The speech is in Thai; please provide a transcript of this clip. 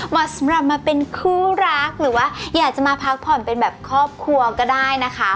สำหรับมาเป็นคู่รักหรือว่าอยากจะมาพักผ่อนเป็นแบบครอบครัวก็ได้นะคะ